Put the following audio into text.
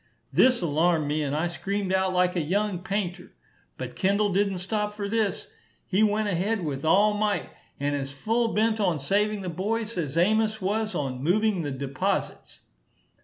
This alarmed me, and I screamed out like a young painter. But Kendall didn't stop for this. He went ahead with all might, and as full bent on saving the boys, as Amos was on moving the deposites.